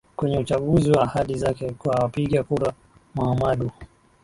kwenye uchaguzi na ahadi zake kwa wapiga kura Muhammadu